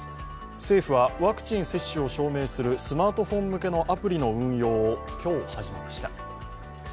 政府はワクチン接種を証明するスマートフォン向けのアプリの運用を今日、始めました。